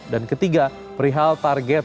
dan ketiga perihal target